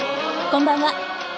こんばんは。